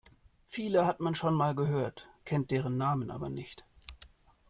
Viele hat man schon mal gehört, kennt deren Namen aber nicht.